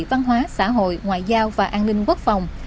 văn hóa xã hội ngoại giao và an ninh quốc phòng